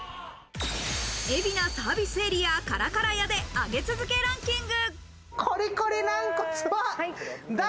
海老名サービスエリア・からから家で上げ続けランキング！